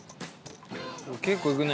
結構いくね。